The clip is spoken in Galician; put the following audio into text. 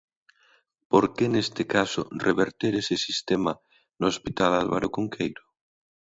¿Por que, neste caso, reverter ese sistema no Hospital Álvaro Cunqueiro?